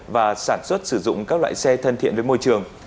và sản xuất sử dụng các loại xe thân thiện với môi trường